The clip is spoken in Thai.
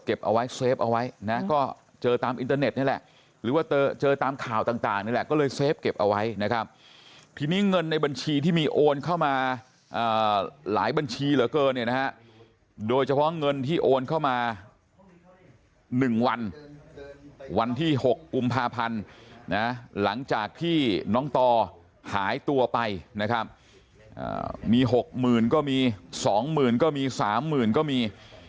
เอาไว้เซฟเอาไว้นะก็เจอตามอินเตอร์เน็ตนี่แหละหรือว่าเจอตามข่าวต่างนี่แหละก็เลยเฟฟเก็บเอาไว้นะครับทีนี้เงินในบัญชีที่มีโอนเข้ามาหลายบัญชีเหลือเกินเนี่ยนะฮะโดยเฉพาะเงินที่โอนเข้ามา๑วันวันที่๖กุมภาพันธ์นะหลังจากที่น้องต่อหายตัวไปนะครับมีหกหมื่นก็มีสองหมื่นก็มีสามหมื่นก็มี